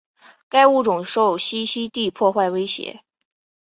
该物种受栖息地破坏威胁。